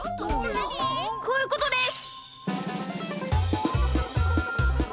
こういうことです！